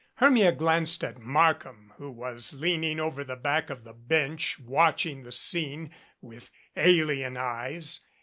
Hermia glanced at Markham, who was leaning over the back of the bench watching the scene with alien eyes.